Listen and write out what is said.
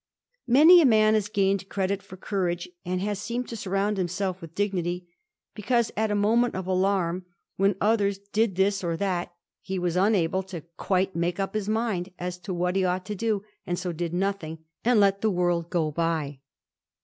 Many a man has gained credit for courage, and has seemed to surroimd himself with dignity, because at a moment of alarm when others did this or that he was unable quite to make up his mind as to what he ought to do, and so did nothing, and let the world go by.